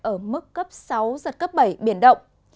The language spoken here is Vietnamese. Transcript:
ở mức cấp sáu giật cấp bảy biển động